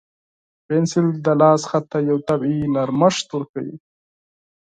پنسل د لاس خط ته یو طبیعي نرمښت ورکوي.